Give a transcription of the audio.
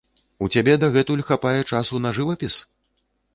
У цябе дагэтуль хапае часу на жывапіс?